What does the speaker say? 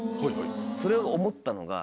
それ思ったのが。